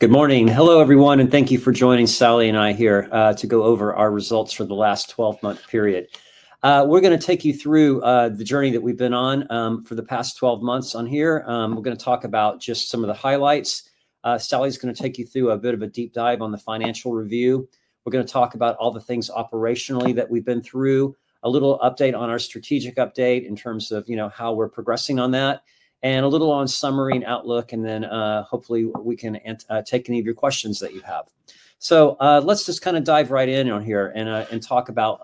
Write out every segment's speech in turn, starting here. Good morning. Hello everyone and thank you for joining Sally and I here to go over our results for the last 12 month period. We're going to take you through the journey that we've been on for the past 12 months on here. We're going to talk about just some of the highlights. Sally's going to take you through a bit of a deep dive on the financial review. We're going to talk about all the things operationally that we've been through, a little update on our strategic update in terms of, you know, how we're progressing on that, and a little on summary and outlook and then hopefully we can take any of your questions that you have. Let's just kind of dive right in on here and talk about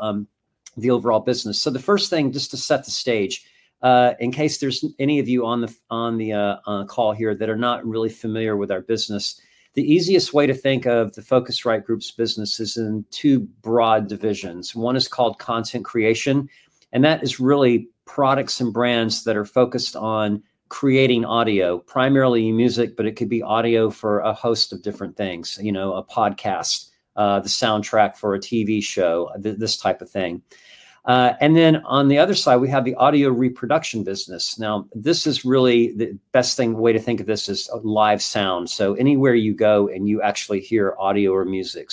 the overall business. The first thing, just to set the stage in case there's any of you on the call here that are not really familiar with our business. The easiest way to think of the Focusrite Group's business is in two broad divisions. One is called content creation and that is really products and brands that are focused on creating audio, primarily music, but it could be audio for a host of different things. You know, a podcast, the soundtrack for a TV show, this type of thing. Then on the other side we have the audio reproduction business. Now this is really the best thing, way to think of this is live sound. Anywhere you go and you actually hear audio or music.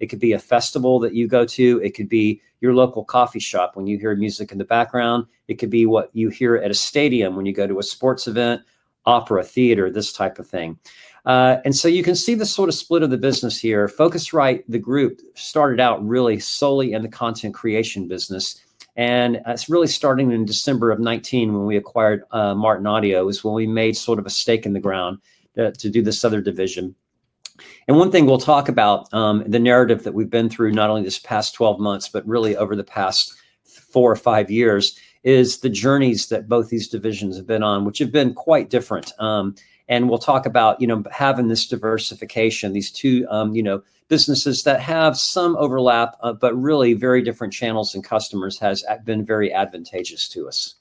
It could be a festival that you go to, it could be your local coffee shop when you hear music in the background. It could be what you hear at a stadium when you go to a sports event, opera, theater, this type of thing. You can see the sort of split of the business here. Focusrite, the group started out really solely in the content creation business. It is really starting in December of 2019 when we acquired Martin Audio, is when we made sort of a stake in the ground to do this other division. One thing we will talk about, the narrative that we have been through not only this past 12 months, but really over the past four or five years is the journeys that both these divisions have been on, which have been quite different. We will talk about, you know, having this diversification. These two, you know, businesses that have some overlap but really very different channels and customers has been very advantageous to us.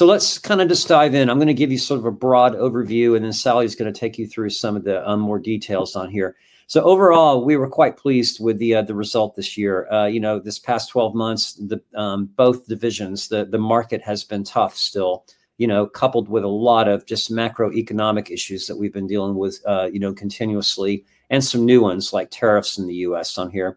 Let's kind of just dive in. I'm going to give you sort of a broad overview and then Sally's going to take you through some of the more details on here. Overall we were quite pleased with the result this year, you know, this past 12 months, both divisions, the market has been tough still, you know, coupled with a lot of just macroeconomic issues that we've been dealing with, you know, continuously and some new ones like tariffs in the U.S. on here.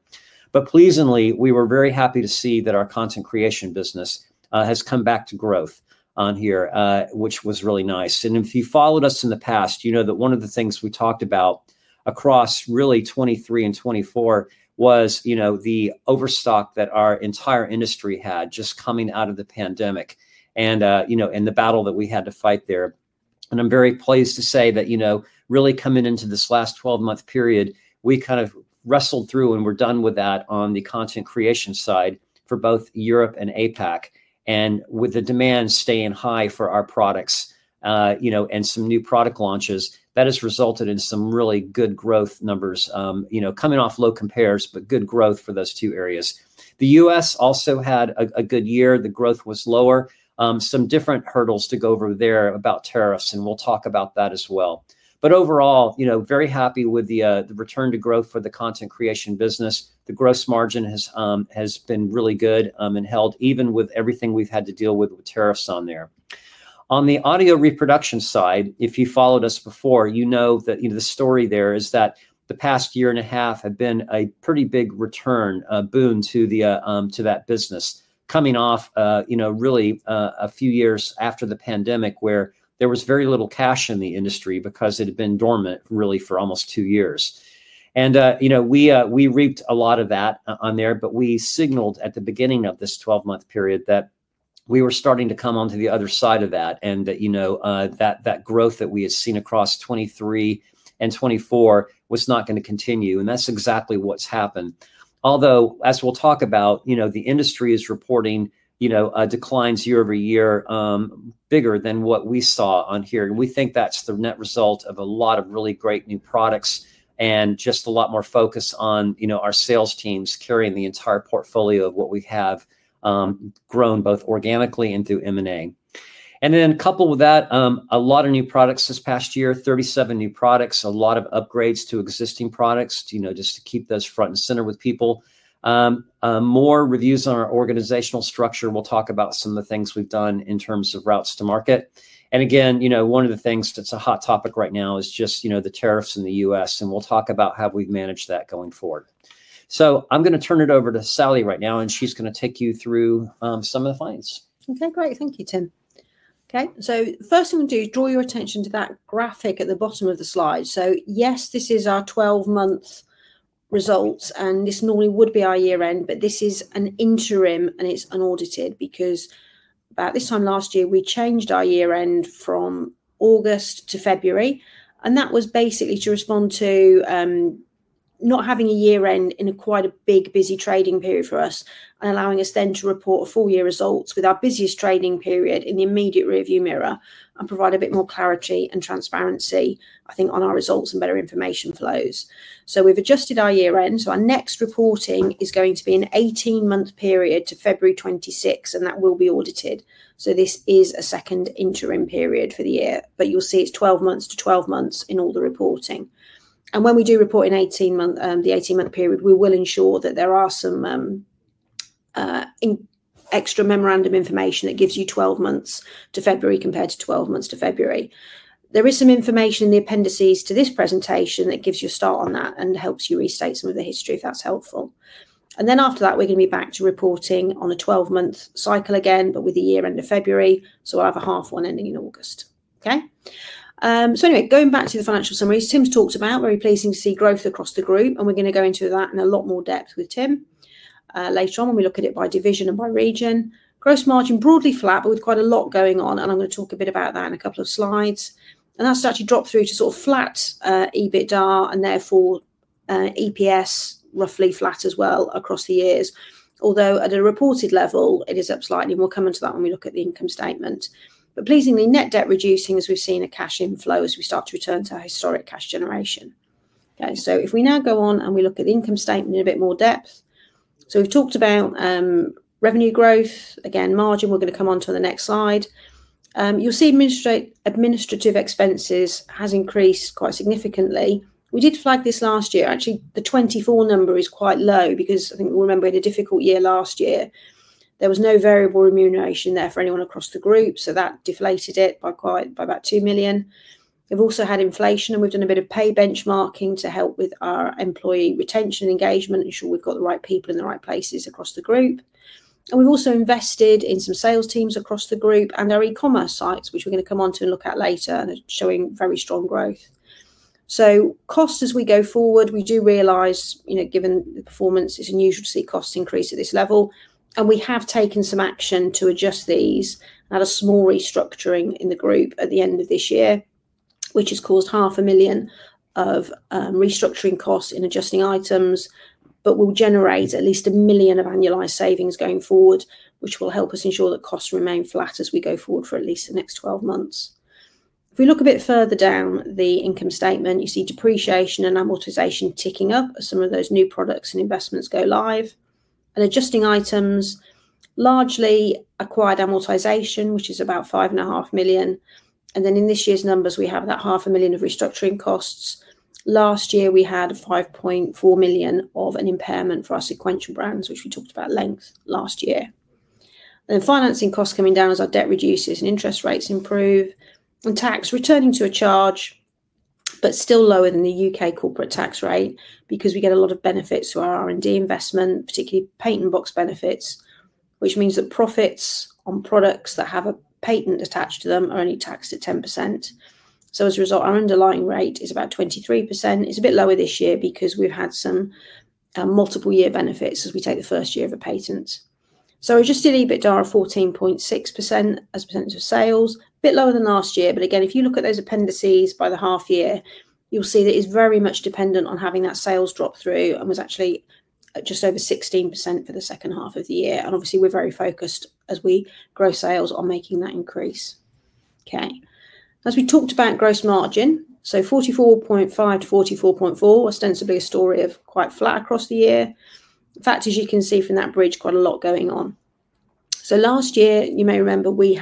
Pleasingly, we were very happy to see that our content creation business has come back to growth on here, which was really nice. If you followed us in the past, you know that one of the things we talked about across really 2023 and 2024 was, you know, the overstock that our entire industry had just coming out of the pandemic and, you know, the battle that we had to fight there. I am very pleased to say that, you know, really coming into this last 12-month period, we kind of wrestled through and we are done with that on the content creation side for both Europe and APAC, and with the demand staying high for our products, you know, and some new product launches, that has resulted in some really good growth numbers, you know, coming off low compares, but good growth for those two areas. The U.S. also had a good year, the growth was lower. Some different hurdles to go over there about tariffs and we'll talk about that as well. Overall, you know, very happy with the return to growth for the content creation business. The gross margin has been really good and held even with everything we've had to deal with with tariffs on there. On the audio reproduction side, if you followed us before, you know that the story there is that the past year and a half had been a pretty big return boon to that business coming off, you know, really a few years after the pandemic where there was very little cash in the industry because it had been dormant really for almost two years. You know, we reaped a lot of that on there. We, at the beginning of this 12-month period, were starting to come onto the other side of that and that growth that we had seen across 2023 and 2024 was not going to continue. That's exactly what's happened. Although, as we'll talk about, the industry is reporting declines year over year bigger than what we saw here. We think that's the net result of a lot of really great new products and just a lot more focus on our sales teams carrying the entire portfolio of what we have grown both organically and through M&A. Coupled with that, a lot of new products this past year, 37 new products, a lot of upgrades to existing products, just to keep those front and center with people. More reviews on our organizational structure. We'll talk about some of the things we've done in terms of routes to market. You know, one of the things that's a hot topic right now is just, you know, the tariffs in the US and we'll talk about how we've managed that going forward. I'm going to turn it over to Sally right now and she's going to take you through some of the finds. Okay, great. Thank you, Tim. Okay, so first thing we do is draw your attention to that graphic at the bottom of the slide. Yes, this is our 12 month results and this normally would be our year end, but this is an interim and it's unaudited because about this time last year we changed our year end from August to February and that was basically to respond to not having a year end in quite a big busy trading period for us and allowing us then to report a full year results with our busiest trading period in the immediate rear view mirror and provide a bit more clarity and transparency I think on our results and better information flows. We've adjusted our year end so our next reporting is going to be an 18 month period to February 26 and that will be audited. This is a second interim period for the year, but you'll see it's 12 months to 12 months in all the reporting. When we do report in 18 months, the 18 month period, we will ensure that there is some extra memorandum information that gives you 12 months to February compared to 12 months to February. There is some information in the appendices to this presentation that gives you a start on that and helps you restate some of the history if that's helpful. After that we're going to be back to reporting on a 12 month cycle again, but with the year end of February, so we'll have a half one ending in August. Okay. Anyway, going back to the financial summaries Tim's talked about. Very pleasing to see growth across the group. We're going to go into that in a lot more depth with Tim later on when we look at it by division and by region. Gross margin broadly flat, but with quite a lot going on. I'm going to talk a bit about that in a couple of slides and that's actually dropped through to sort of flat EBITDA and therefore EPS roughly flat as well across the years, although at a reported level it is up slightly more. I'll come into that when we look at the income statement. Pleasingly, net debt reducing as we've seen a cash inflow as we start to return to our historic cash generation. If we now go on and we look at the income statement in a bit more depth, we've talked about revenue growth again, margin, we're going to come on to the next slide. You'll see administrative expenses has increased quite significantly. We did flag this last year. Actually the 2024 number is quite low because I think you'll remember in a difficult year last year there was no variable remuneration there for anyone across the group. That deflated it by quite, by about $2 million. They've also had inflation and we've done a bit of pay benchmarking to help with our employee retention engagement, ensure we've got the right people in the right places across the group. We've also invested in some sales teams across the group and our e-commerce sites which we're going to come on to and look at later and showing very strong growth. Costs as we go forward, we do realize, you know, given the performance, it's unusual to see costs increase at this level. We have taken some action to adjust these at a small restructuring in the group at the end of this year, which has caused $500,000 of restructuring costs in adjusting items, but will generate at least $1,000,000 of annualized savings going forward, which will help us ensure that costs remain flat as we go forward for at least the next 12 months. If we look a bit further down the income statement, you see depreciation and amortization ticking up as some of those new products and investments go live. Adjusting items are largely acquired amortization, which is about $5,500,000. In this year's numbers we have that $500,000 of restructuring costs. Last year we had $5,400,000 of an impairment for our Sequential brands, which we talked about at length last year. Financing costs coming down as our debt reduces and interest rates improve and tax returning to a charge, but still lower than the U.K. corporate tax rate because we get a lot of benefits through our R&D investment, particularly patent and box benefits, which means that profits on products that have a patent attached to them are only taxed at 10%. As a result our underlying rate is about 23%. It's a bit lower this year because we've had some multiple year benefits as we take the first year of a patent. Adjusted EBITDA 14.6% as a percentage of sales, bit lower than last year. Again, if you look at those appendices. By the half year you'll see that it's very much dependent on having that sales drop through and was actually at just over 16% for the second half of the year. Obviously we're very focused as we grow sales on making that increase. Okay, as we talked about gross margin, 44.5%-44.4%, ostensibly a story of quite flat across the year. In fact, as you can see from that bridge, quite a lot going on. Last year you may remember we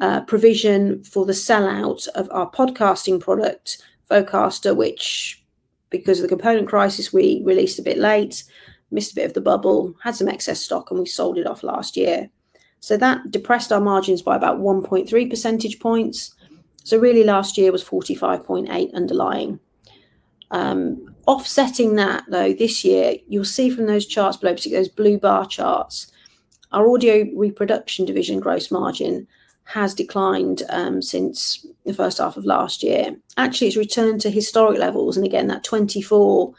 had provision for the sellout of our podcasting product Vocaster, which because of the component crisis we released a bit late, missed a bit of the bubble, had some excess stock and we sold it off last year. That depressed our margins by about 1.3 percentage points. Really last year was 45.8% underlying. Offsetting that though this year you'll see from those charts below, those blue bar charts, our audio reproduction division gross margin has declined since the first half of last year. Actually it's returned to historic levels and again that 2024,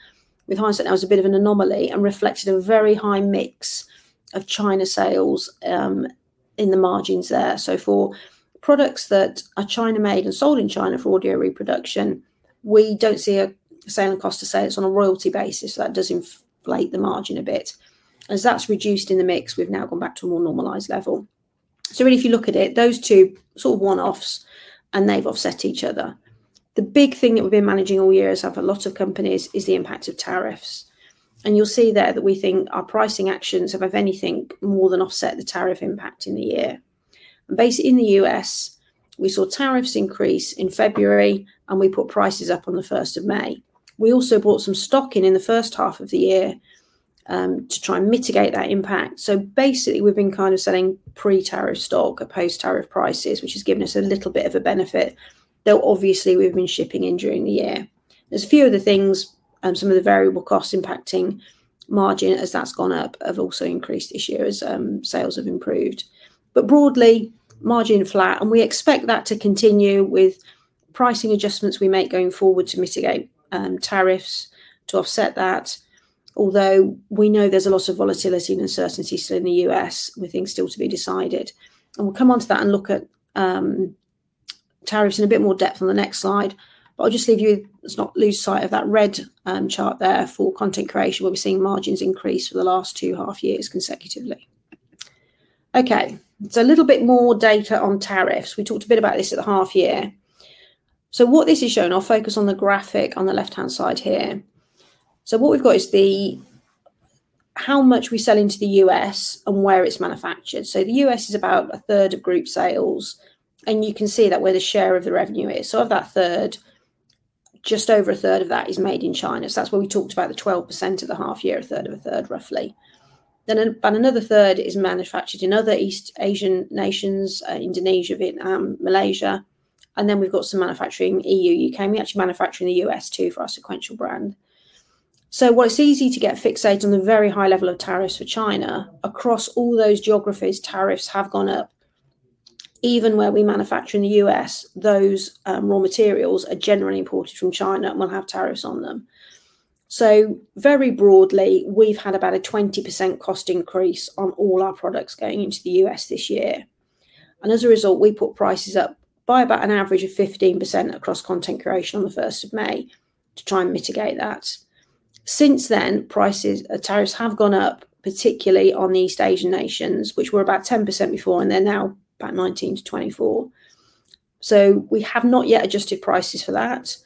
with hindsight that was a bit of an anomaly and reflected a very high mix of China sales in the margins there. For products that are China made and sold in China, for audio reproduction we don't see a sale and cost. To say it's on a royalty basis, that does inflate the margin a bit. As that's reduced in the mix, we've now gone back to a more normalized level. Really if you look at it, those two sort of one offs and they've offset each other. The big thing that we've been managing all year, as have a lot of companies, is the impact of tariffs. You'll see there that we think our pricing actions have anything more than offset the tariff impact in the year. Basically in the U.S. we saw tariffs increase in February and we put prices up on the 1st of May. We also bought some stocking in the first half of the year to try and mitigate that impact. Basically we've been kind of selling pre-tariff stock at post-tariff prices, which has given us a little bit of a benefit, though obviously we've been shipping in during the year. There are a few other things and some of the variable costs impacting margin as that's gone up have also increased this year as sales have improved, but broadly margin flat. We expect that to continue with pricing adjustments we make going forward to mitigate tariffs to offset that. Although we know there's a lot of volatility and uncertainty still in the U.S. with things still to be decided. We'll come on to that and look at tariffs in a bit more depth on the next slide. I'll just leave you. Let's not lose sight of that red chart there for content creation where we're seeing margins increase for the last two half years consecutively. Okay, a little bit more data on tariffs. We talked a bit about this at the half year. What this is showing, I'll focus on the graphic on the left hand side here. What we've got is how much we sell into the U.S. and where it's manufactured. The U.S. is about a third of group sales and you can see where the share of the revenue is. Of that third, just over a third of that is made in China. That's what we talked about. The 12% at the half year. A third of a third, roughly. Then another third is manufactured in other East Asian nations: Indonesia, Vietnam, Malaysia. We have some manufacturing in the EU, U.K., and we actually manufacture in the U.S. too for our Sequential brand. While it is easy to get fixated on the very high level of tariffs for China, across all those geographies, tariffs have gone up. Even where we manufacture in the U.S., those raw materials are generally imported from China and will have tariffs on them. Very broadly, we have had about a 20% cost increase on all our products going into the U.S. this year. As a result, we put prices up by about an average of 15% across content creation on 1 May to try and mitigate that. Since then, prices, tariffs have gone up, particularly on East Asian nations which were about 10% before and they're now about 19-24%. We have not yet adjusted prices for that.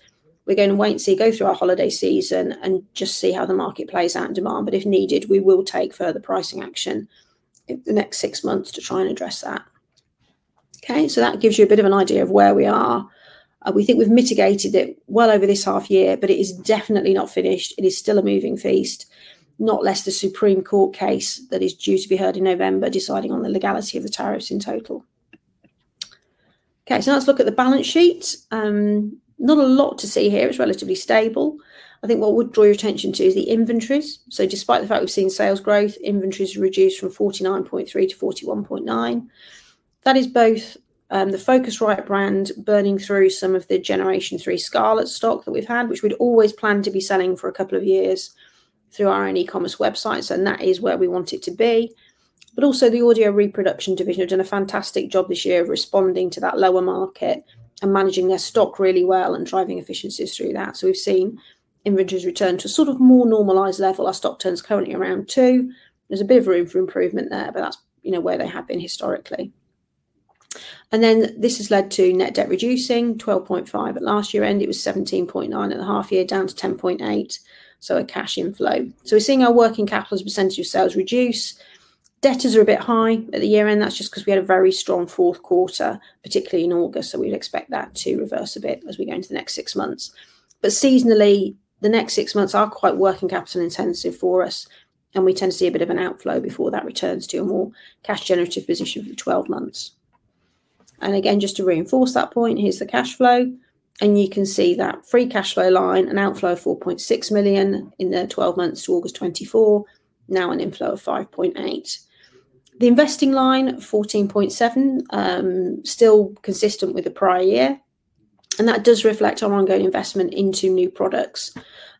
We're going to wait and see, go through our holiday season and just see how the market plays out in demand. If needed, we will take further pricing action in the next six months to try and address that. Okay, that gives you a bit of an idea of where we are. We think we've mitigated it well over this half year, but it is definitely not finished. It is still a moving feast, not less. The Supreme Court case that is due to be heard in November deciding on the legality of the tariffs in total. Okay, let's look at the balance sheet. Not a lot to see here. It's relatively stable. I think what I would draw your attention to is the inventories. Despite the fact we've seen sales growth, inventories reduced from 49.3-41.9. That is both the Focusrite brand burning through some of the Generation 3 Scarlett stock that we've had, which we'd always planned to be selling for a couple of years through our own e-commerce websites. That is where we want it to be. Also, the audio reproduction division have done a fantastic job this year of responding to that lower market and managing their stock really well and driving efficiencies through that. We've seen inventories return to a sort of more normalized level. Our stock turns currently around 2. There's a bit of room for improvement there, but that's, you know, where they have been historically. This has led to net debt reducing 12.5%. At last year end, it was 17.9%. At the half year, down to 10.8%. A cash inflow. We are seeing our working capital as a percentage of sales reduce. Debtors are a bit high at the year end. That is just because we had a very strong fourth quarter, particularly in August. We would expect that to reverse a bit as we go into the next six months. Seasonally, the next six months are quite working capital intensive for us and we tend to see a bit of an outflow before that returns to a more cash generative position for the 12 months. Again, just to reinforce that point, here is the cash flow and you can see that free cash flow line, an outflow of 4.6 million in the 12 months to August 24. Now an inflow of $5.8. The investing line, $14.7, still consistent with the prior year. That does reflect our ongoing investment into new products.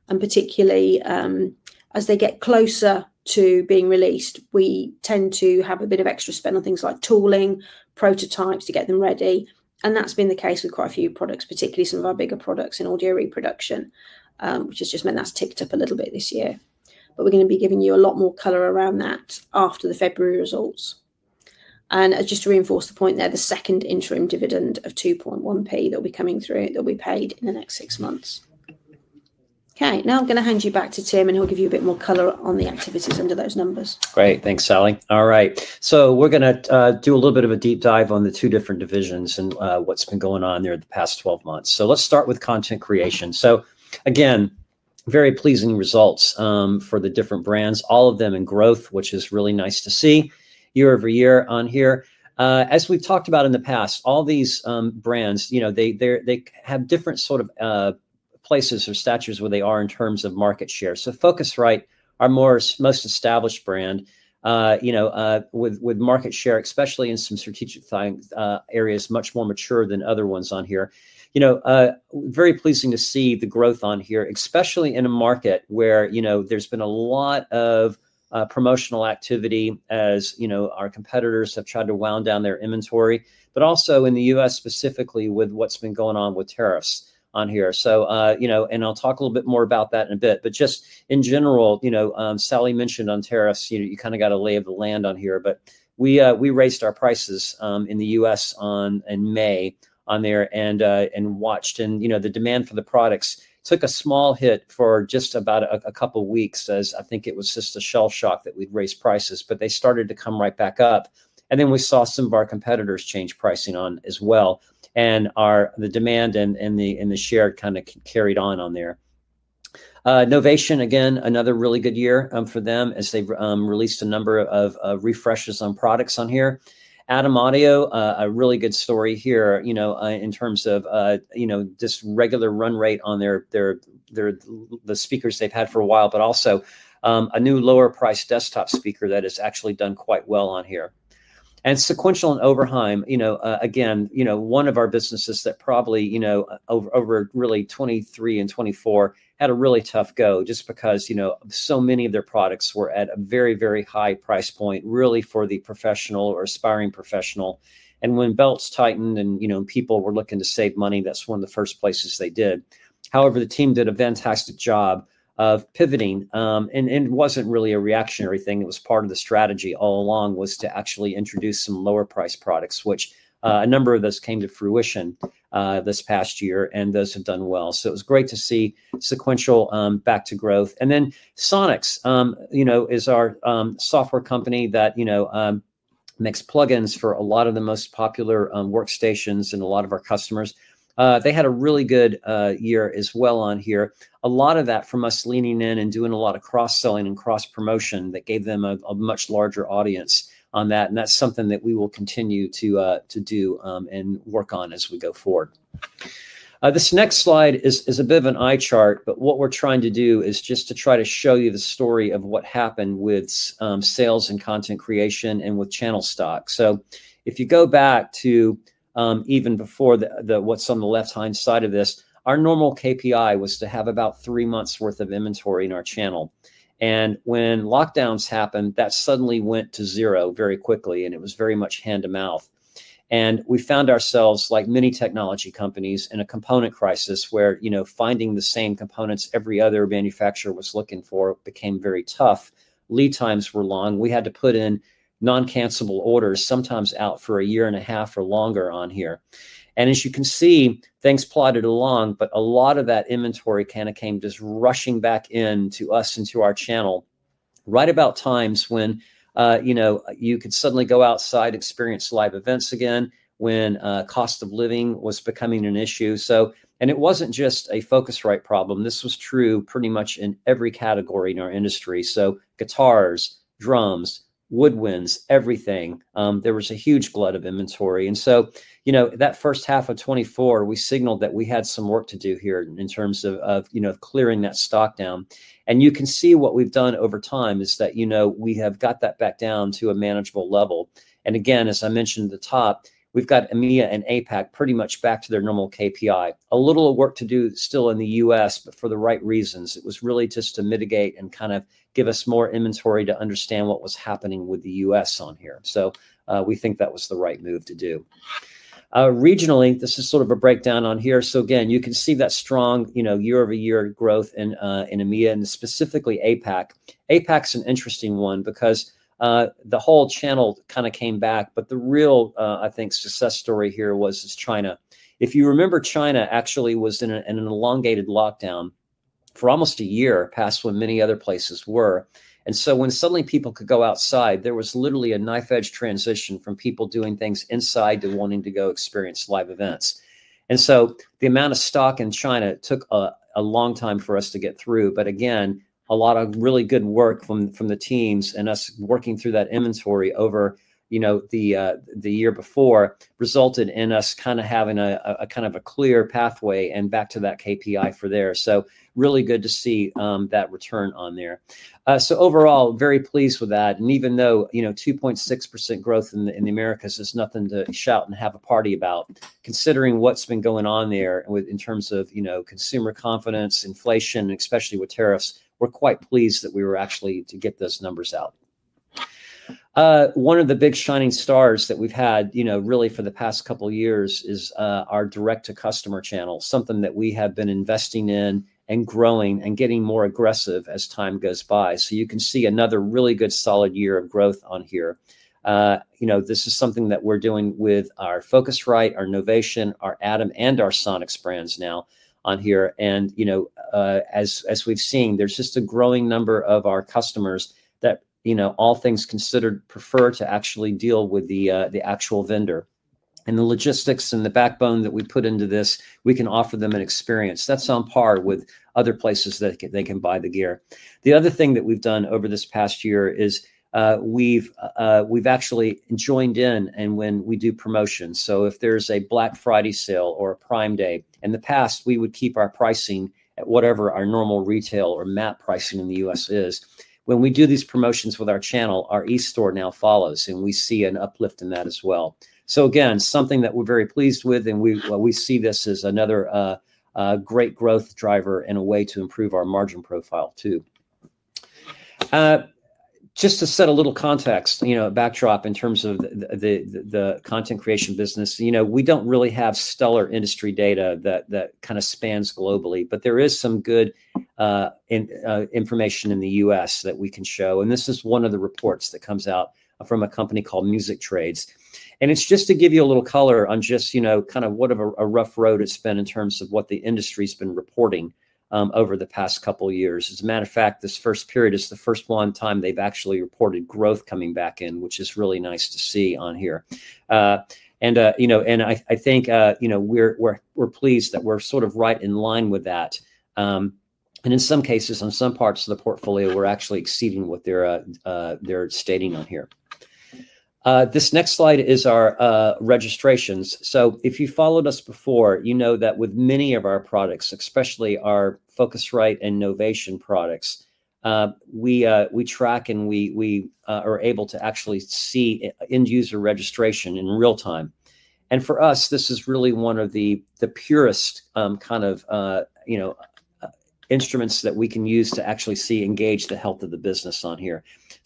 Particularly as they get closer to being released, we tend to have a bit of extra spend on things like tooling prototypes to get them ready. That has been the case with quite a few products, particularly some of our bigger products in audio reproduction, which has just meant that has ticked up a little bit this year, but we are going to be giving you a lot more color around that after the February results. Just to reinforce the point there, the second interim dividend of 0.021, that will be coming through, that will be paid in the next six months. Okay, now I am going to hand you back to Tim and he will give you a bit more color on the activities under those numbers. Great, thanks, Sally. All right, we're going to do a little bit of a deep dive on the two different divisions and what's been going on there the past 12 months. Let's start with content creation. Again, very pleasing results for the different brands, all of them in growth, which is really nice to see year over year on here. As we've talked about in the past, all these brands, you know, they have different sort of places or statuses where they are in terms of market share. So Focusrite, our most established brand with market share especially in some strategic areas, much more mature than other ones on here. Very pleasing to see the growth on here, especially in a market where there's been a lot of promotional activity. As you know, our competitors have tried to wound down their inventory but also in the U.S. specifically with what's been going on with tariffs on here. You know, and I'll talk a little bit more about that in a bit, but just in general, you know, Sally mentioned on tariffs, you know, you kind of got a lay of the land on here, but we raised our prices in the U.S. in May on there and watched, and you know, the demand for the products took a small hit for just about a couple weeks as I think it was just a shell shock that we'd raised prices to come right back up. We saw some of our competitors change pricing on as well, and the demand and the share kind of carried on on there. Novation, again, another really good year for them as they've released a number of refreshes on products on here. ADAM Audio, a really good story here, you know, in terms of, you know, just regular run rate on their speakers they've had for a while but also a new lower price desktop speaker that has actually done quite well on here. And Sequential and Oberheim, you know, again, you know, one of our businesses that probably, you know, over really 2023 and 2024 had a really tough go just because, you know, so many of their products were at a very, very high price point really for the professional or aspiring professional. And when belts tightened and, you know, people were looking to save money, that's one of the first places they did. However, the team did a fantastic job of pivoting and it was not really a reactionary thing. It was part of the strategy all along, was to actually introduce some lower price, which a number of those came to fruition this past year and those have done well. It was great to see Sequential back to growth. Then Sonnox is our software company that makes plugins for a lot of the most popular workstations and a lot of our customers, they had a really good year as well on here. A lot of that from us leaning in and doing a lot of cross selling and cross promotion. That gave them a much larger audience on that. That is something that we will continue to do and work on as we go forward. This next slide is a bit of an eye chart, but what we're trying to do is just to try to show you the story of what happened with sales and content creation and with channel stock. If you go back to even before what's on the left hand side of this, our normal KPI was to have about three months worth of inventory in our channel. When lockdowns happened, that suddenly went to zero very quickly and it was very much hand to mouth. We found ourselves like many technology companies in a component crisis where, you know, finding the same components every other manufacturer was looking for became very tough. Lead times were long. We had to put in non-cancelable orders, sometimes out for a year and a half or longer on here. As you can see, things plotted along but a lot of that inventory kind of came just rushing back into us, into our channel. Right about times when, you know, you could suddenly go outside, experience live events again when cost of living was becoming an issue. It was not just a Focusrite problem, this was true pretty much in every category in our industry. Guitars, drums, woodwinds, everything, there was a huge glut of inventory. You know, that first half of 2024, we signaled that we had some work to do here in terms of, you know, clearing that stock down. You can see what we have done over time is that, you know, we have got that back down to a manageable level. Again, as I mentioned, at the top we've got EMEA and APAC pretty much back to their normal KPI, a little work to do still in the U.S. but for the right reasons. It was really just to mitigate and kind of give us more inventory to understand what was happening with the U.S. on here. We think that was the right move to do regionally. This is sort of a breakdown on here. Again, you can see that strong, you know, year-over-year growth in EMEA and specifically APAC. APAC's an interesting one because the whole channel kind of came back. The real, I think, success story here was China. If you remember, China actually was in an elongated lockdown for almost a year past when many other places were. When suddenly people could go outside, there was literally a knife edge transition from people doing things inside to wanting to go experience live events. The amount of stock in China took a long time for us to get through. Again, a lot of really good work from the teams and us working through that inventory over the year before resulted in us having a clear pathway and back to that KPI for there. Really good to see that return on there. Overall, very pleased with that. Even though, you know, 2.6% growth in the Americas is nothing to shout and have a party about, considering what's been going on there in terms of, you know, consumer confidence, inflation, especially with tariffs, we're quite pleased that we were actually able to get those numbers out. One of the big shining stars that we've had, you know, really for the past couple years is our direct-to-customer channel. Something that we have been investing in and growing and getting more aggressive as time goes by. You can see another really good solid year of growth on here. You know, this is something that we're doing with our Focusrite, our Novation, our ADAM, and our Sonnox brands now on here. You know, as we've seen, there's just a growing number of our customers that, all things considered, prefer to actually deal with the actual vendor and the logistics and the backbone that we put into this. We can offer them an experience that's on par with other places that they can buy the gear. The other thing that we've done over this past year is we've actually joined in and when we do promotions, if there's a Black Friday sale or a Prime Day, in the past we would keep our pricing at whatever our normal retail or MAP pricing in the U.S. is. When we do these promotions with our channel, our E Store now follows and we see an uplift in that as well. Again, something that we're very pleased with and we see this as another great growth driver in a way to improve our margin profile too. Just to set a little context, you know, backdrop in terms of the content creation business. You know, we don't really have stellar industry data that kind of spans globally, but there is some good information in the U.S. that we can show and this is one of the reports that comes out from a company called Music Trades. It's just to give you a little color on just, you know, kind of what a rough road it's been in terms of what the industry's been reporting over the past couple years. As a matter of fact, this first period is the first one time they've actually reported growth coming back in which is really nice to see on here. You know, I think, you know, we're pleased that we're sort of right in line with that. In some cases on some parts of the portfolio, we're actually exceeding what they're stating on here. This next slide is our registrations. If you followed us before, you know that with many of our products, especially our Focusrite and Novation products, we track and we are able to actually see end user registration in real time. For us this is really one of the purest kind of instruments that we can use to actually see and gauge the health of the business on here.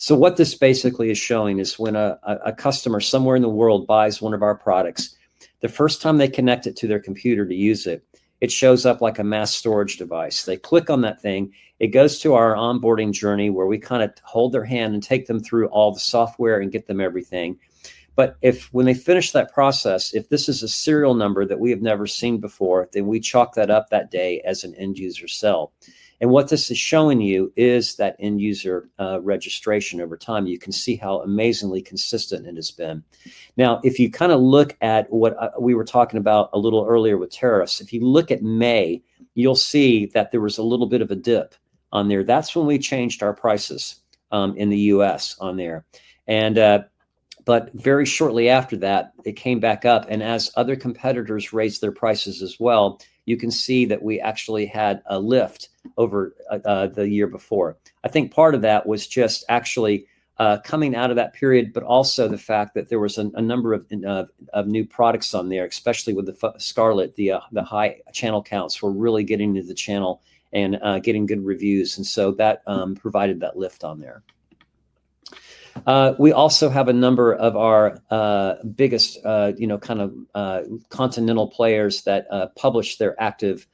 What this basically is showing is when a customer somewhere in the world buys one of our products, the first time they connect it to their computer to use it, it shows up like a mass storage device. They click on that thing. It goes to our onboarding journey where we kind of hold their hand and take them through all the software and get them everything. If when they finish that process, if this is a serial number that we have never seen before, then we chalk that up that day as an end user sale. What this is showing you is that end user registration over time. You can see how amazingly consistent it has been. Now if you kind of look at what we were talking about a little earlier with tariffs, if you look at May, you will see that there was a little bit of a dip on there. That is when we changed our prices in the U.S. on there. Very shortly after that it came back up, and as other competitors raised their prices as well, you can see that we actually had a lift over the year before. I think part of that was just actually coming out of that period, but also the fact that there was a number of new products on there, especially with the Scarlett, the high channel counts were really getting into the channel and getting good reviews, and so that provided that lift on there. We also have a number of our biggest, you know, kind of continental players that publish their active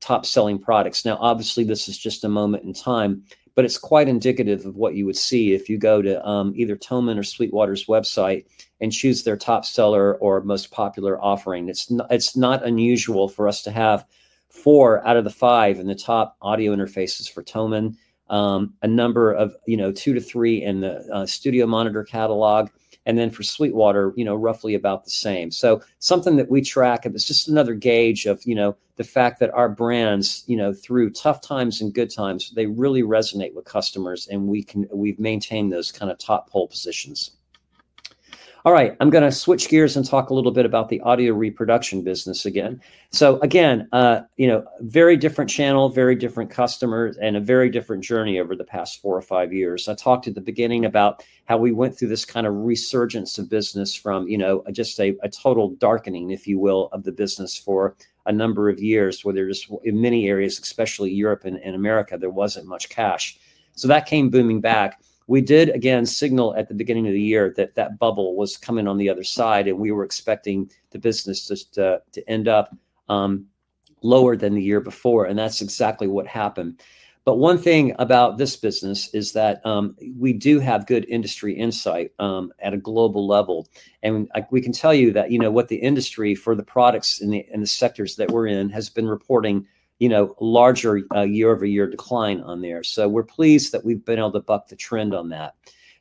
top selling products. Now obviously this is just a moment in time, but it's quite indicative of what you would see if you go to either Thomann or Sweetwater's website and choose their top seller or most popular offering. It's not unusual for us to have four out of the five in the top audio interfaces for Thomann, a number of two to three in the Studio Monitor catalog, and then for Sweetwater roughly about the same. So something that we track, it's just another gauge of the fact that our brands, through tough times and good times, they really resonate with customers and we can, we've maintained those kind of top pole positions. All right, I'm going to switch gears and talk a little bit about the audio reproduction business again. So again, you know, very different channel, very different customers, and a very different journey over the past four or five years. I talked at the beginning about how we went through this kind of resurgence of business from, you know, just a total darkening, if you will, of the business for a number of years where there is, in many areas, especially Europe and America, there was not much cash. That came booming back. We did again signal at the beginning of the year that that bubble was coming on the other side and we were expecting the business to end up lower than the year before. That is exactly what happened. One thing about this business is that we do have good industry insight at a global level. We can tell you that, you know, what the industry for the products and the sectors that we are in has been reporting, you know, larger year-over-year decline on there. We're pleased that we've been able to buck the trend on that.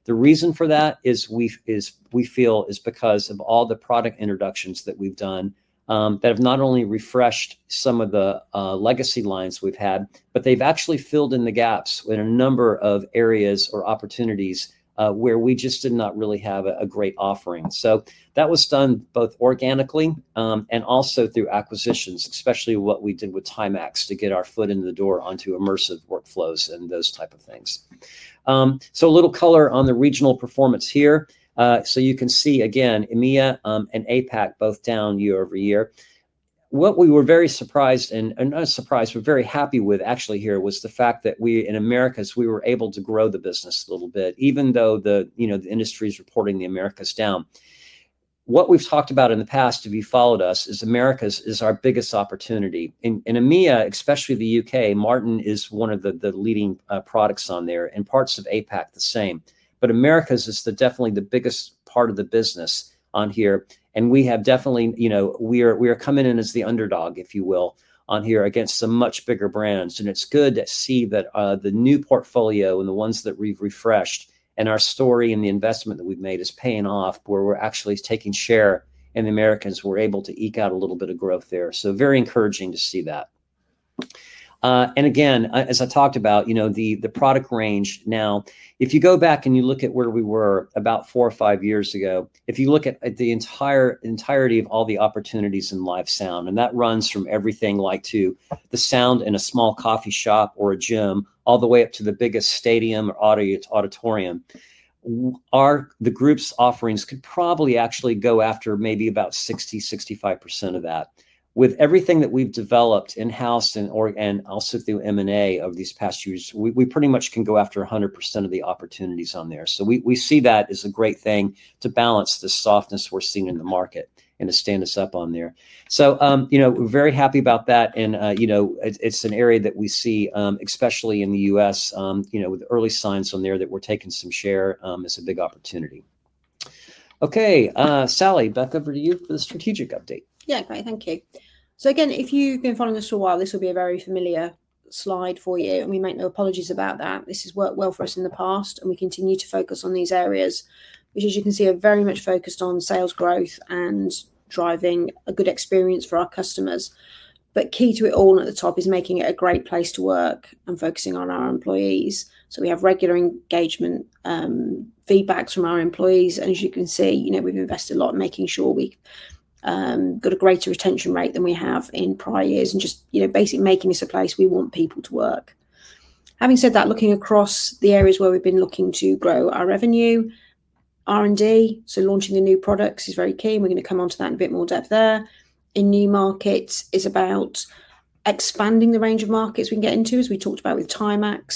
The reason for that, we feel, is because of all the product introductions that we've done that have not only refreshed some of the legacy lines we've had, but they've actually filled in the gaps in a number of areas or opportunities where we just did not really have a great offering. That was done both organically and also through acquisitions, especially what we did with Timex to get our foot in the door onto immersive workflows and those type of things. A little color on the regional performance here. You can see again, EMEA and APAC both down year over year. What we were very surprised and not surprised. We're very happy with actually here was the fact that we in Americas, we were able to grow the business a little bit, even though the, you know, the industry is reporting the Americas down. What we've talked about in the past, if you followed us, is Americas is our biggest opportunity in EMEA, especially the U.K. Martin is one of the leading products on there and parts of APAC the same. Americas is definitely the biggest part of the business on here and we have definitely, you know, we are coming in as the underdog, if you will, on here against some much bigger brands. It's good to see that the new portfolio and the ones that we've refreshed and our story and the investment that we've made is paying off where we're actually taking share. The Americans were able to eke out a little bit of growth there. Very encouraging to see that. Again, as I talked about, you know, the product range, now, if you go back and you look at where we were about four or five years ago, if you look at the entirety of all the opportunities in live sound and that runs from everything, like to the sound in a small coffee shop or a gym, all the way up to the biggest stadium or auditorium, the group's offerings could probably actually go after maybe about 60-65% of that. With everything that we have developed in house and, or and also through M&A over these past years, we pretty much can go after 100% of the opportunities on there. We see that as a great thing to balance the softness we're seeing in the market and to stand us up on there. You know, we're very happy about that. You know, it's an area that we see, especially in the U.S., with early signs on there that we're taking some share, is a big opportunity. Okay, Sally, back over to you for the strategic update. Yeah, great, thank you. If you've been following us for a while, this will be a very familiar slide for you. We make no apologies about that. This has worked well for us in the past and we continue to focus on these areas, which, as you can see, are very much focused on sales growth and driving a good experience for our customers. Key to it all at the top is making it a great place to work and focusing on our employees. We have regular engagement feedbacks from our employees. As you can see, you know, we've invested a lot, making sure we got a greater retention rate than we have in prior years and just, you know, basically making this a place we want people to work. Having said that, looking across the areas where we've been looking to grow our revenue, R&D, so launching the new products is very key. We're going to come on to that in a bit more depth there in new markets is about expanding the range of markets we can get into. As we talked about with Tim Mack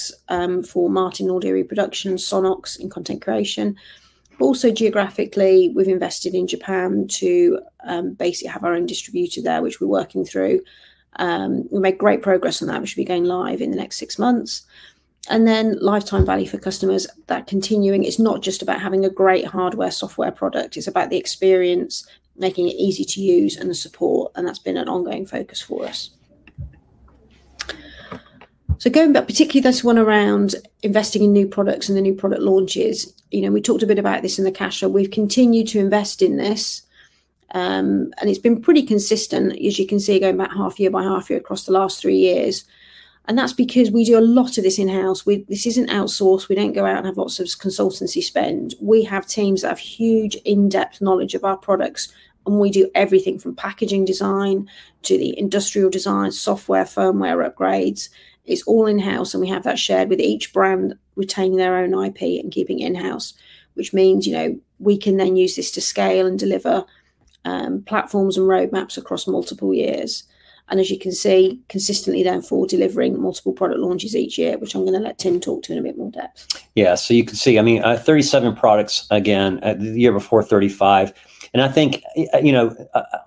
for Martin Audio reproduction, Sonnox in content creation. Also, geographically, we've invested in Japan to basically have our own distributor there, which we're working through. We make great progress on that. We should be going live in the next six months and then lifetime value for customers that continuing. It's not just about having a great hardware, software product it's about the experience, making it easy to use and the support. That has been an ongoing focus for us. Going back, particularly this one around investing in new products and the new product launches, you know, we talked a bit about this in the cash show. We've continued to invest in this and it's been pretty consistent, as you can see, going back half year by half year across the last three years. That's because we do a lot of this in house. This isn't outsourced. We don't go out and have lots of consultancy spend. We have teams that have huge in depth knowledge of our products and we do everything from packaging design to the industrial design, software, firmware upgrades. It's all in house and we have that shared with each brand, retaining their own IP and keeping in house, which means, you know, we can then use this to scale and deliver platforms and roadmaps across multiple years and as you can see, consistently, therefore delivering multiple product launches each year, which I'm going to let Tim talk to in a bit more depth. Yeah, so you can see, I mean, 37 products again the year before, 35. And I think, you know,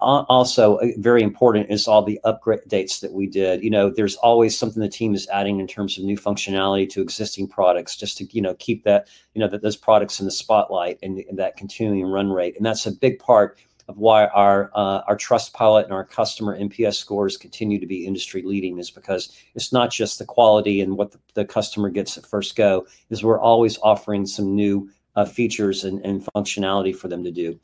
also very important is all the upgrade dates that we did. You know, there's always something the team is adding in terms of new functionality to existing products just to, you know, keep that, you know, those products in the spotlight and that continuing run rate. That's a big part of why our Trustpilot and our customer NPS scores continue to be industry leading is because it's not just the quality and what the customer gets at first go, we're always offering some new features and functionality for them to do.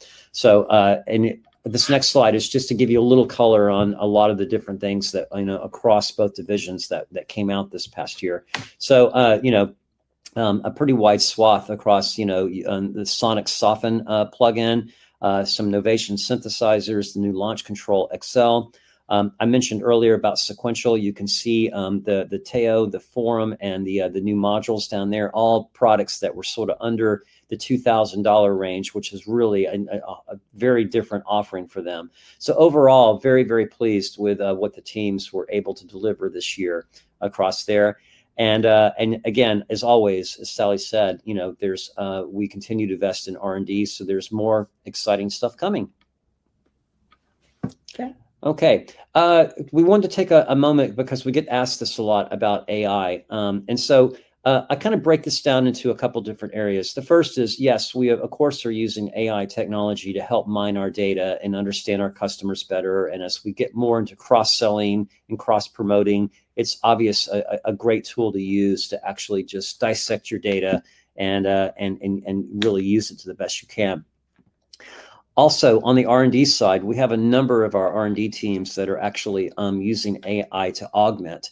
This next slide is just to give you a little color on a lot of the different things that across both divisions that came out this past year. A pretty wide swath across the Sonnox plugin, some Novation synthesizers, the new Launch Control XL. I mentioned earlier about Sequential, you can see the Tao, the Forum, and the new modules down there. All products that were sort of under the $2,000 range, which is really a very different offering for them. Overall, very, very pleased with what the teams were able to deliver this year across there. As always, as Sally said, you know, we continue to invest in R&D, so there is more exciting stuff coming. Okay, we wanted to take a moment because we get asked this a lot about AI, and so I kind of break this down into a couple different areas. The first is, yes, we, of course, are using AI technology to help mine our data and understand our customers better. As we get more into cross selling and cross promoting, it's obvious a great tool to use to actually just dissect your data and really use it to the best you can. Also, on the R&D side, we have a number of our R&D teams that are actually using AI to augment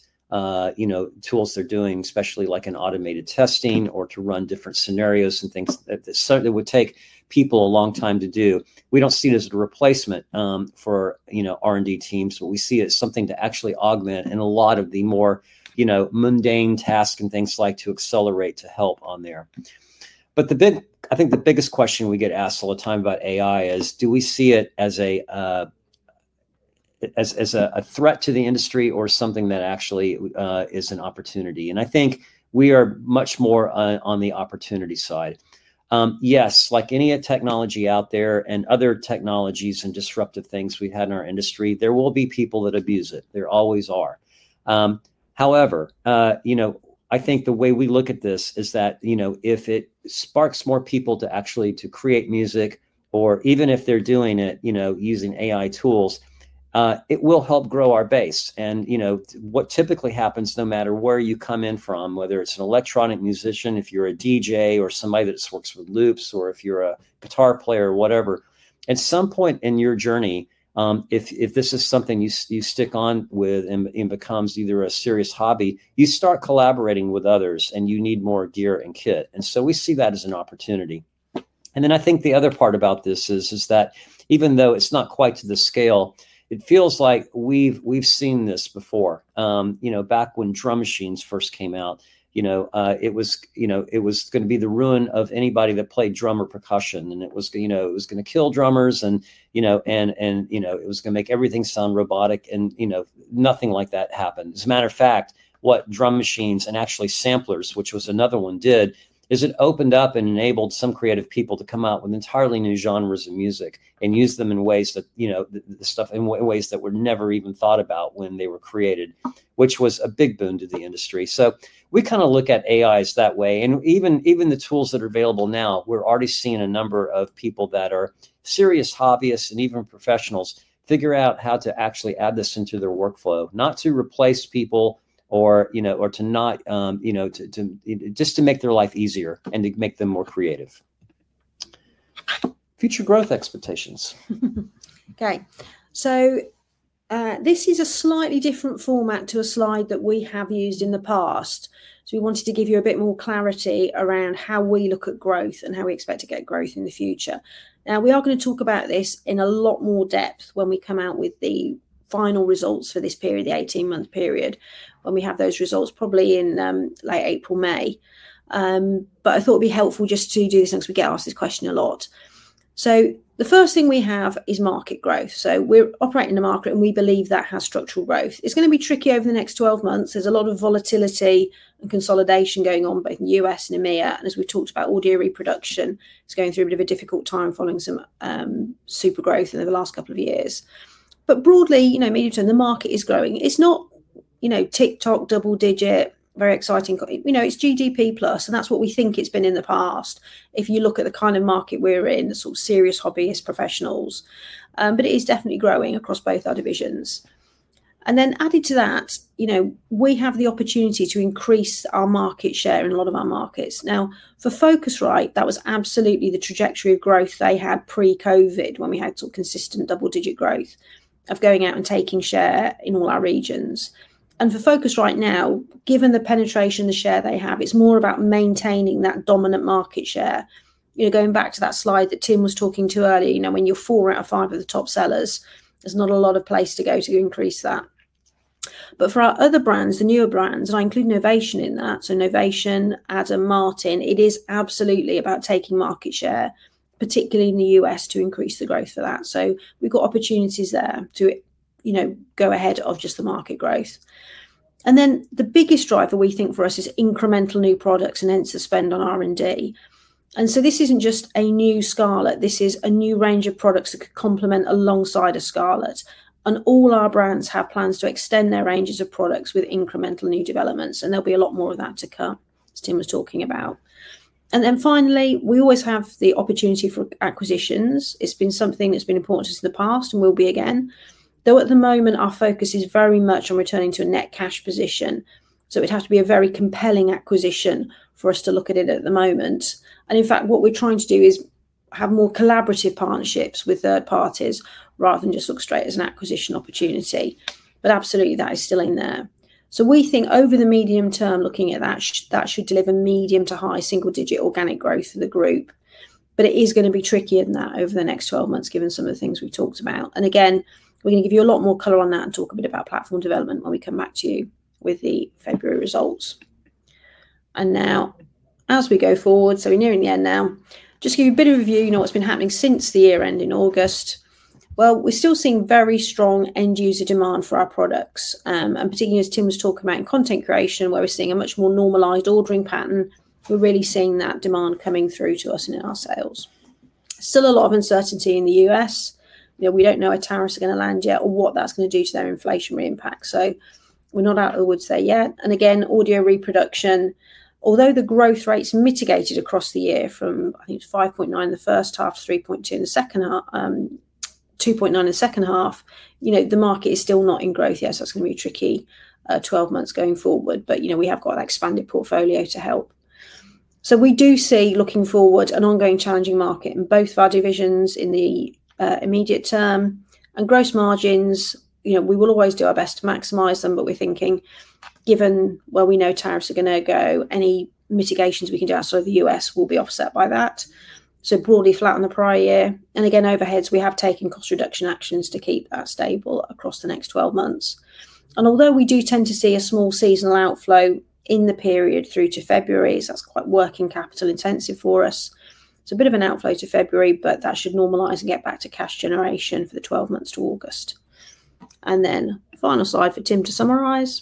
tools. They're doing especially like in automated testing or to run different scenarios and things that would take people a long time to do. We don't see it as a replacement for R&D teams, but we see it as something to actually augment in a lot of the more, you know, mundane tasks and things like to accelerate to help on there. The biggest question we get asked all the time about AI is do we see it as a threat to the industry or something that actually is an opportunity. I think we are much more on the opportunity side. Yes, like any technology out there and other technologies and disruptive things we had in our industry, there will be people that abuse it. There always are. However, you know, I think the way we look at this is that, you know, if it sparks more people to actually create music, or even if they're doing it, you know, using AI tools, it will help grow our base. You know, what typically happens, no matter where you come in from, whether it's an electronic musician, if you're a DJ or somebody that works with loops, or if you're a guitar player, whatever, at some point in your journey, if this is something you stick on with and becomes either a serious hobby, you start collaborating with others and you need more gear and kit. We see that as an opportunity. I think the other part about this is that even though it's not quite to the scale, it feels like we've seen this before. You know, back when drum machines first came out, it was going to be the ruin of anybody that played drum or percussion. It was, you know, it was going to kill drummers and, you know, it was going to make everything sound robotic. You know, nothing like that happened. As a matter of fact, what drum machines and actually samplers, which was another one, did is it opened up and enabled some creative people to come out with entirely new genres of music and use them in ways that, you know, stuff in ways that were never even thought about when they were created, which was a big boon to the industry. We kind of look at AI that way. Even the tools that are available now, we're already seeing a number of people, people that are serious hobbyists and even professionals figure out how to actually add this into their workflow. Not to replace people or, you know, or to not, you know, just to make their life easier and to make them more creative. Future Growth Expectations. Okay, so this is a slightly different format to a slide that we have used in the past. We wanted to give you a bit more clarity around how we look at growth and how we expect to get growth in the future. Now we are going to talk about this in a lot more depth when we come out with the final results for this period, the 18-month period, when we have those results, probably in late April, May. I thought it'd be helpful just to do this since we get asked this question a lot. The first thing we have is market growth. We're operating in the market and we believe that has structural growth. It's going to be tricky over the next 12 months. There's a lot of volatility and consolidation going on both in the U.S. and EMEA. As we talked about audio reproduction, it is going through a bit of a difficult time following some super growth in the last couple of years. Broadly, you know, medium term the market is growing. It is not, you know, tick tock double digit, very exciting. It is GDP plus and that is what we think it has been in the past. If you look at the kind of market we are in, the sort of serious hobbyist professionals. It is definitely growing across both our divisions. Added to that, you know, we have the opportunity to increase our market share in a lot of our markets. Now for Focusrite that was absolutely the trajectory of growth they had pre Covid when we had consistent double digit growth of going out and taking share in all our regions. For Focusrite now, given the penetration, the share they have, it's more about maintaining that dominant market share. You know, going back to that slide that Tim was talking to earlier, you know, when you're four out of five of the top sellers, there's not a lot of place to go to increase that. For our other brands, the newer brands, and I include Novation in that. So Novation, ADAM, Martin, it is absolutely about taking market share, particularly in the U.S. to increase the growth for that. We've got opportunities there to, you know, go ahead of just the market growth. The biggest driver we think for us is incremental new products and ends of spend on R&D. This isn't just a new Scarlett, this is a new range of products that could complement alongside a Scarlett. All our brands have plans to extend their ranges of products with incremental new developments. There will be a lot more of that to come, as Tim was talking about. Finally, we always have the opportunity for acquisitions. It has been something that has been important to us in the past and will be again. Though at the moment our focus is very much on returning to a net cash position. It has to be a very compelling acquisition for us to look at it at the moment. In fact, what we are trying to do is have more collaborative partnerships with third parties rather than just look straight at an acquisition opportunity. Absolutely, that is still in there. We think over the medium term, looking at that, that should deliver medium to high single-digit organic growth for the group. It is going to be trickier than that over the next 12 months given some of the things we've talked about. Again, we're going to give you a lot more color on that and talk a bit about platform development when we come back to you with the February results. As we go forward, so we're nearing the end now, just give you a bit of a view, you know, what's been happening since the year end in August. We're still seeing very strong end user demand for our products and particularly as Tim was talking about in content creation where we're seeing a much more normalized ordering pattern, we're really seeing that demand coming through to us in our sales. Still a lot of uncertainty in the U.S. We do not know where tariffs are going to land yet or what that is going to do to their inflationary impact. We are not out of the woods there yet. Again, audio reproduction, although the growth rates mitigated across the year from I think it is 5.9% the first half, 3.2% in the second half, 2.9% in the second half. You know, the market is still not in growth yet, so it is going to be a tricky 12 months going forward. You know, we have got that expanded portfolio to help. We do see looking forward an ongoing challenging market in both of our divisions in the immediate term. Gross margins, you know, we will always do our best to maximize them. We are thinking, given, we know tariffs are going to go, any mitigations we can do outside of the U.S. will be offset by that, so broadly flat on the prior year. Again, overheads, we have taken cost reduction actions to keep that stable across the next 12 months. Although we do tend to see a small seasonal outflow in the period through to February, that is quite working capital intensive for us. It is a bit of an outflow to February, but that should normalize and get back to cash generation for the 12 months to August. Final slide for Tim to summarize.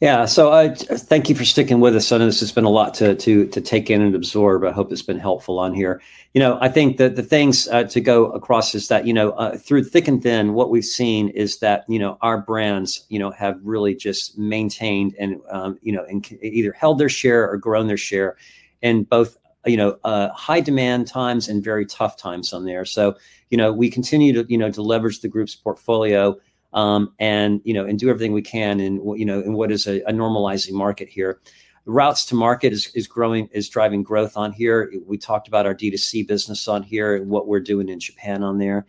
Yeah. So thank you for sticking with us. It's been a lot to take in and absorb. I hope it's been helpful on here. You know, I think that the things to go across is that, you know, through thick and thin, what we've seen is that, you know, our brands, you know, have really just maintained and, you know, either held their share or grown their share in both, you know, high demand times and very tough times on there. So, you know, we continue to leverage the group's portfolio and, you know, do everything we can in, you know, in what is a normalizing market here. Routes to market is growing, is driving growth on here. We talked about our D2C business on here and what we're doing in Japan on there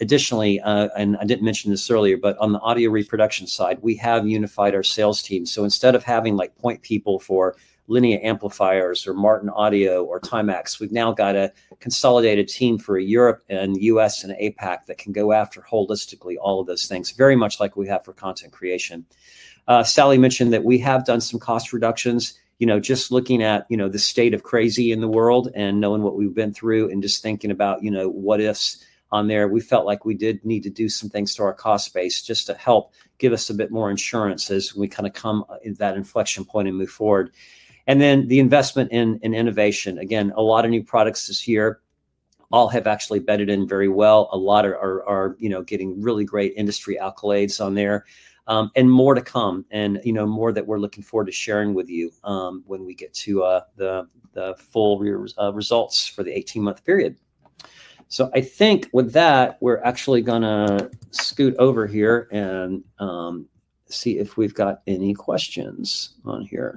additionally, and I didn't mention this earlier, but on the audio reproduction side we have unified our sales team. Instead of having like point people for Linear Amplifiers or Martin Audio or Timex, we've now got a consolidated team for Europe and U.S. and APAC that can go after holistically all of those things very much like we have for content creation. Sally mentioned that we have done some cost reductions. You know, just looking at, you know, the state of crazy in the world and knowing what we've been through and just thinking about, you know, what ifs on there, we felt like we did need to do some things to our cost base just to help give us a bit more insurance as we kind of come in that inflection point and move forward and then the investment in innovation again. A lot of new products this year all have actually bedded in very well. A lot are, you know, getting really great industry accolades on there and more to come and, you know, more that we're looking forward to sharing with you when we get to the full results for the 18 month period. I think with that we're actually gonna scoot over here and see if we've got any questions on here.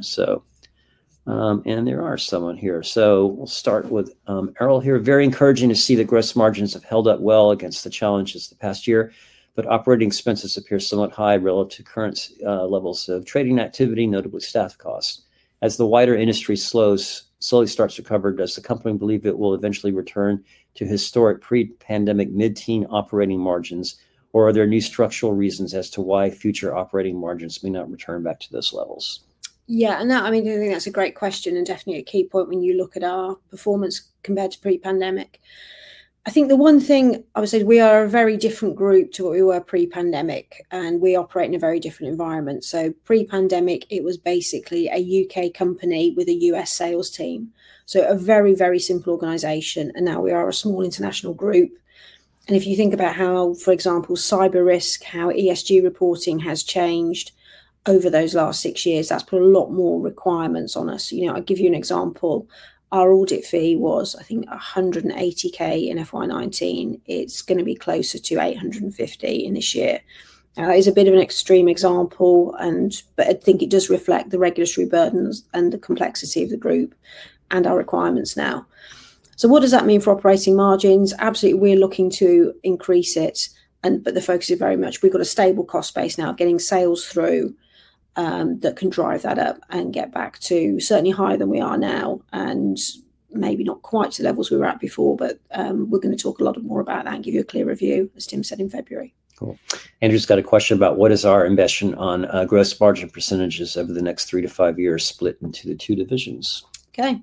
There are some on here. We'll start with Errol here. Very encouraging to see the gross margins have held up well against the challenges the past year, but operating expenses appear somewhat high relative to current levels of trading activity. Notably, staff costs as the wider industry slowly starts recovered. Does the company believe it will eventually return to historic pre-pandemic mid-teen operating margins, or are there new structural reasons as to why future operating margins may not return back to those levels? Yeah, and that, I mean I think that's a great question and definitely a key point when you look at our performance compared to pre-pandemic. I think the one thing I would say, we are a very different group to what we were pre-pandemic and we operate in a very different environment. Pre-pandemic it was basically a U.K. company with a U.S. sales team. A very, very simple organization and now we are a small international group and if you think about how, for example, cyber risk, how ESG reporting has changed over those last six years, that's put a lot more requirements on us. You know, I'll give you an example. Our audit fee was, I think, 180,000 in FY2019. It's going to be closer to 850,000 in this year. Now that is a bit of an extreme example, but I think it does reflect the regulatory burdens and the complexity of the group and our requirements now. So what does that mean for operating margins? Absolutely, we're looking to increase it, but the focus is very much, we've got a stable cost base now. Getting sales through that can drive that up and get back to certainly higher than we are now, and maybe not quite the levels we were at before, but we're going to talk a lot more about that and give you a clear review. As Tim said in February. Andrew's got. A question about what is our investment on gross margin percentages over the next three to five years split into the two divisions. Okay.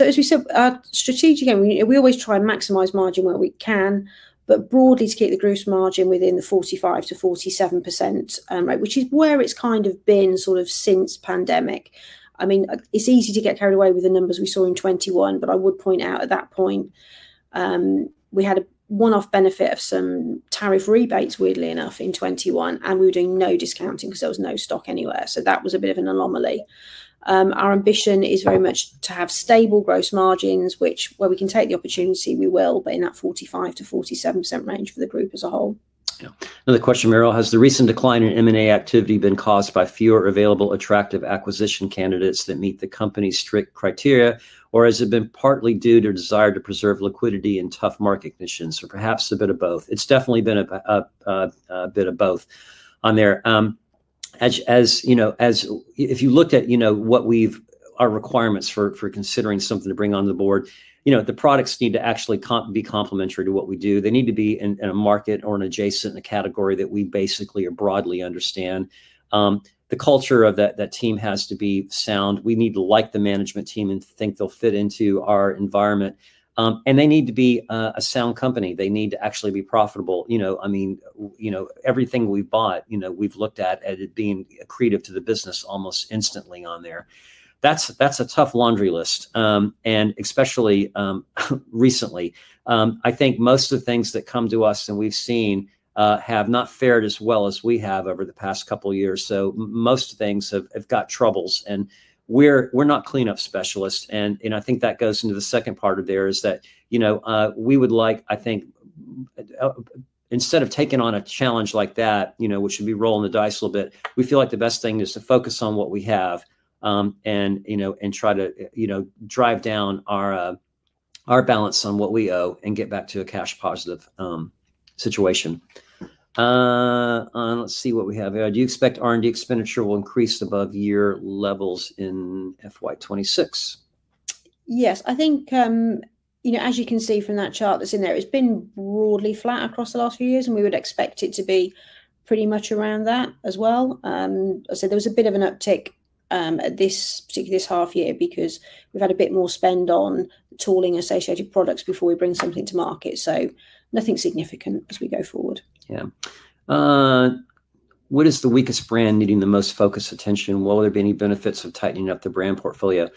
As we said, strategic, we always try and maximize margin where we can, but broadly to keep the gross margin within the 45-47% range. Right. Which is where it's kind of been sort of since pandemic. I mean it's easy to get carried away with the numbers we saw in 2021. I would point out at that point we had a one-off benefit of some tariff rebates, weirdly enough, in 2021 and we were doing no discounting because there was no stock anywhere. That was a bit of an anomaly. Our ambition is very much to have stable gross margins which, where we can take the opportunity, we will. In that 45-47% range for the group as a whole. Another question, Meryl. Has the recent decline in M&A activity been caused by fewer available attractive acquisition candidates that meet the company's strict criteria or has it been partly due to desire to preserve liquidity and tough market conditions? Or perhaps a bit of both? It's definitely been a bit of both on there. As you know, if you looked at what we've, our requirements for considering something to bring on the board. You know, the products need to actually be complementary to what we do. They need to be in a market or an adjacent category that we basically broadly understand. The culture of that team has to be sound. We need to like the management team and think they'll fit into our environment and they need to be a sound company. They need to actually be profitable. You know, I mean, you know, everything we bought, you know, we've looked at it being accretive to the business almost instantly on there. That's a tough laundry list. Especially recently, I think most of the things that come to us and we've seen have not fared as well as we have over the past couple years. Most things have got troubles and we're not cleanup specialists. I think that goes into the second part of there is that, you know, we would like, I think instead of taking on a challenge like that, you know, which should be rolling the dice a little bit, we feel like the best thing is to focus on what we have and, you know, and try to, you know, drive down our balance on what we owe and get back to a cash positive situation. Let's see what we have here. Do you expect R&D expenditure will increase above year levels in FY2026? Yes, I think, you know, as you can see from that chart that's in there, it's been broadly flat across the last few years and we would expect it to be pretty much around that as well. I said there was a bit of an uptick at this particular, this half year because we've had a bit more spend on tooling associated products before we bring something to market. So nothing significant as we go forward. Yeah. What is the weakest brand needing the most focused attention? Will there be any benefits of tightening up the brand portfolio?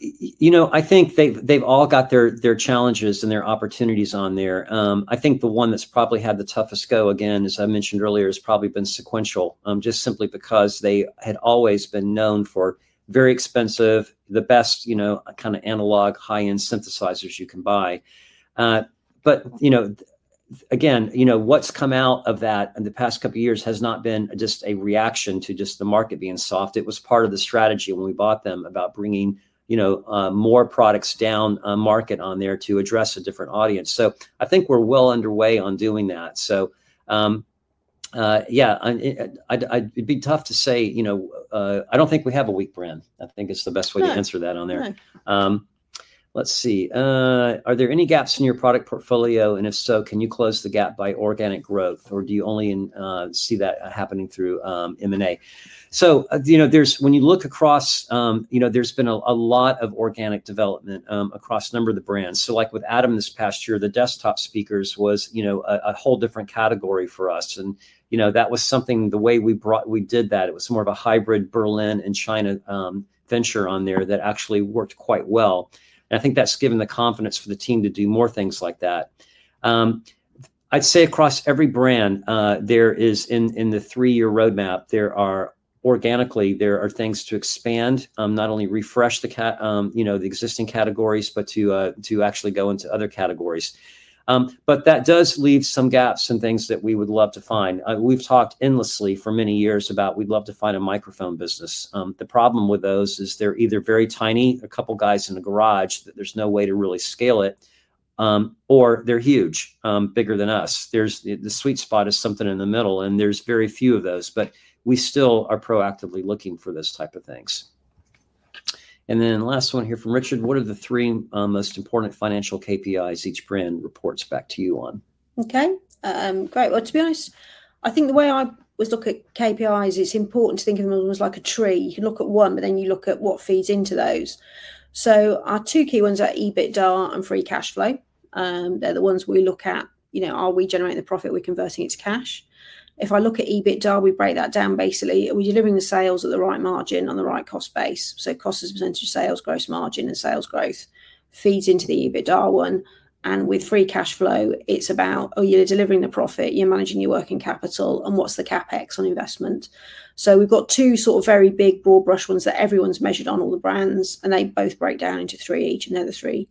You know, I think they've all got their challenges and their opportunities on there. I think the one that's probably had the toughest go again, as I mentioned earlier, has probably been Sequential just simply because they had always been known for very expensive, the best, you know, kind of analog, high-end synthesizers you can buy. But you know, again, you know, what's come out of that in the past couple years has not been just a reaction to just the market being soft. It was part of the strategy when we bought them about bringing, you know, more products down market on there to address a different audience. So I think we're well underway on doing that. Yeah, it'd be tough to say, you know, I don't think we have a weak brand. I think it's the best way to answer that on there. Let's see, are there any gaps in your product portfolio and if so, can you close the gap by organic growth or do you only see that happening through M&A? You know, there's, when you look across, you know, there's been a lot of organic development across a number of the brands. Like with ADAM this past year, the desktop speakers was, you know, a whole different category for us. And, you know, that was something the way we brought, we did that, it was more of a hybrid Berlin and China venture on there. That actually worked quite well. I think that's given the confidence for the team to do more things like that. I'd say across every brand there is in the three year roadmap, there are, organically, there are things to expand, not only refresh the existing categories but to actually go into other categories. That does leave some gaps and things that we would love to find. We've talked endlessly for many years about we'd love to find a microphone business. The problem with those is they're either very tiny across a couple guys in the garage, that there's no way to really scale it, or they're huge, bigger than us. The sweet spot is something in the middle and there's very few of those. We still are proactively looking for those type of things. Last one here from Richard. What are the three most important financial KPIs each brand reports back to you on. Okay, great. To be honest, I think the way I look at KPIs, it's important to think of them as like a tree. You can look at one, but then you look at what feeds into those. Our two key ones are EBITDA and free cash flow. They're the ones we look at. You know, are we generating the profit, we're converting it to cash. If I look at EBITDA, we break that down basically. Are we delivering the sales at the right margin on the right cost base? Cost as a percentage of sales, gross margin, and sales growth feeds into the EBITDA one. With free cash flow, it's about, oh, you're delivering the profit, you're managing your working capital. What's the CapEx on investment? We've got two sort of very big broad brush ones that everyone's measured on, all the brands, and they both break down into three each, and they're the three,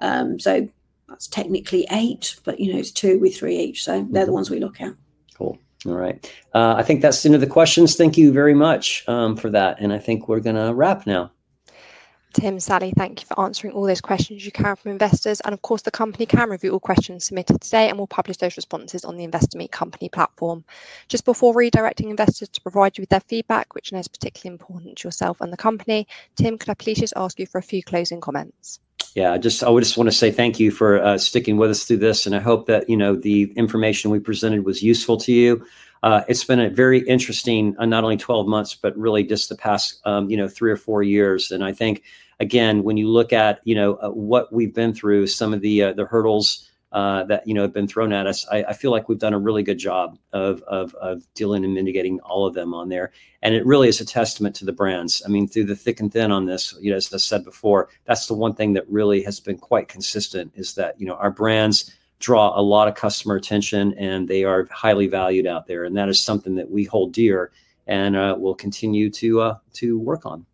so that's technically eight, but, you know, it's two with three each. They're the ones we look at. Cool. All right, I think that's the end of the questions. Thank you very much for that and I think we're gonna wrap now. Tim, Sally, thank you for answering all those questions you can from investors. The company can review all questions submitted today and we'll publish those responses on the investor meet company platform just before redirecting investors to provide you with their feedback, which is particularly important to yourself and the company. Tim, could I please just ask you for a few closing comments? Yeah. I just want to say thank you for sticking with us through this and I hope that, you know, the information we presented was useful to you. It's been a very interesting, not only 12 months, but really just the past, you know, three or four years. I think again, when you look at, you know, what we've been through, some of the hurdles that, you know, have been thrown at us. I feel like we've done a really good job of dealing and mitigating all of them on there. It really is a testament to the brands, I mean, through the thick and thin on this. You know, as I said before, that's the one thing that really has been quite consistent, is that, you know, our brands draw a lot of customer attention and they are highly valued out there. That is something that we hold dear and we'll continue to work on.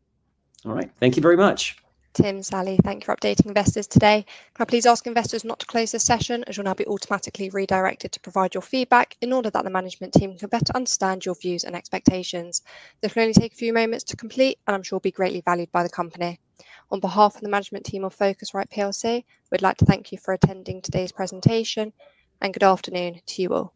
All right, thank you very much. Tim, Sally, thank you for updating investors today. Can I please ask investors not to close this session, as you'll now be automatically redirected to provide your feedback in order that the management team can better understand your views and expectations. This will only take a few moments to complete and I'm sure be greatly valued by the company. On behalf of the management team of Focusrite Plc, we'd like to thank you for attending today's presentation and good afternoon to you all.